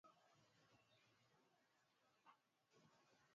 edward alimsaidia mke wake kuingia kwenye mashua